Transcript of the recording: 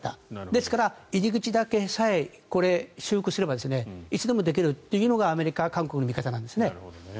ですから入り口だけさえ修復すればいつでもできるというのがアメリカと韓国の見方です。